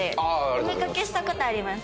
お見かけした事あります。